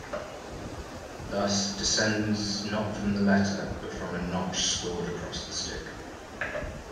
Thus, descends not from the letter but from a notch scored across the stick.